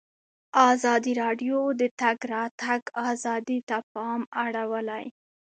ازادي راډیو د د تګ راتګ ازادي ته پام اړولی.